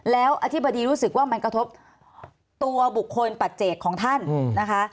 แล้วอธิบดีรู้สึกว่ามันกระทบตัวบุคคลปัจเจกของท่านนะคะ